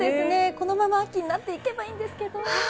このまま秋になっていけばいいんですけどね。